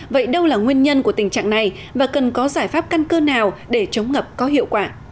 vậy đâu là nguyên nhân của tình trạng này và cần có giải pháp căn cơ nào để chống ngập có hiệu quả